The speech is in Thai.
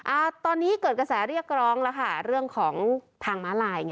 อ่าตอนนี้เกิดกระแสเรียกร้องแล้วค่ะเรื่องของทางม้าลายไง